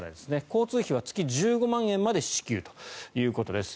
交通費は月１５万円まで支給ということです。